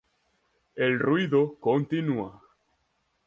El ruido continúa.